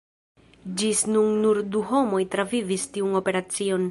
Ĝis nun nur du homoj travivis tiun operacion!